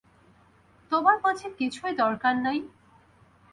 তোমার বুঝি কিছুই দরকার নাই?